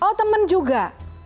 oh temen juga